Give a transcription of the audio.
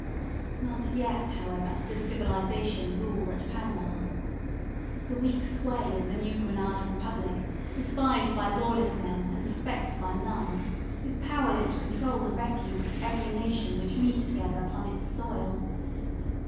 Not yet, however, does civilization, rule at Panama. The weak sway of the New Granada Republic, despised by lawless men, and respected by none, is powerless to control the refuse of every nation which meet together upon its soil.